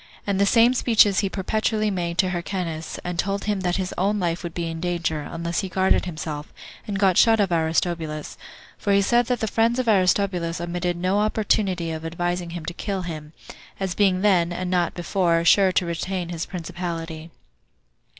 And the same speeches he perpetually made to Hyrcanus; and told him that his own life would be in danger, unless he guarded himself, and got shut of Aristobulus; for he said that the friends of Aristobulus omitted no opportunity of advising him to kill him, as being then, and not before, sure to retain his principality.